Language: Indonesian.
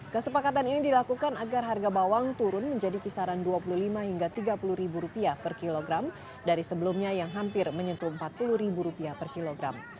kesepakatan ini dilakukan agar harga bawang turun menjadi kisaran dua puluh lima hingga tiga puluh ribu rupiah per kilogram dari sebelumnya yang hampir menyentuh empat puluh ribu rupiah per kilogram